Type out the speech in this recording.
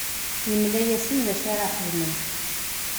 Yemla-asen d acu ara xedmen.